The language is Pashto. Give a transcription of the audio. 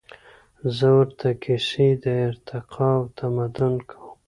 زهٔ ورته کیسې د ارتقا او تمدن کوم